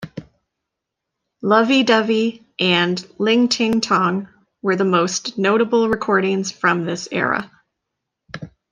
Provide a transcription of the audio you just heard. "Lovey Dovey" and "Ling-Ting-Tong" were the most notable recordings from this era.